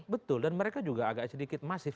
betul dan mereka juga agak sedikit masif